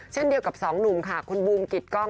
เช่นเดียวกับสองหนุ่มค่ะคุณบูมกิดกล้อง